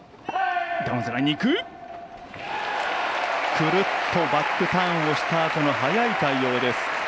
くるっとバックターンをしたあとの早い対応です。